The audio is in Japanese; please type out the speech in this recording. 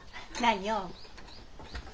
何よ？